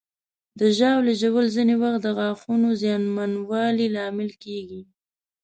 د ژاولې ژوول ځینې وخت د غاښونو زیانمنوالي لامل کېږي.